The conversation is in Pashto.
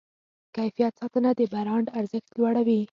د کیفیت ساتنه د برانډ ارزښت لوړوي.